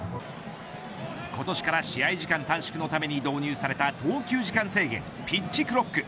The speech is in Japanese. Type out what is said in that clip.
今年から試合時間短縮のために導入された投球時間制限、ピッチクロック。